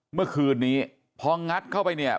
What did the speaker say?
เมื่อคืนนี้พองัดเข้าไปเนี่ย